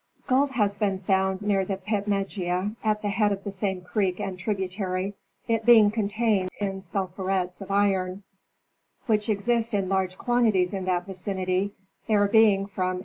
Gold has been found near the Pitmegea, at the head of the same creek and tributary, it being contained in sulphurets of iron, which exist in large quantities in that vicinity, there being from $3.